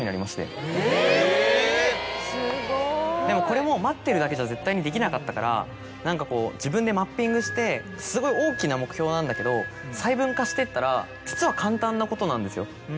でもこれも待ってるだけじゃ絶対にできなかったから自分でマッピングしてすごい大きな目標なんだけど細分化していったら実は簡単なことなんですよ。